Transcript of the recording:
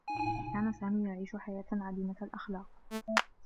كان سامي يعيش حياة عديمة الأخلاق.